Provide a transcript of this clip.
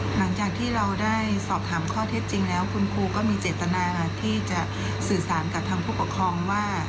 หลังจากที่เราได้สอบถามข้อเท็จจริงแล้วคุณครูก็มีเจตนาที่จะสื่อสารกับทางผู้ปกครองว่า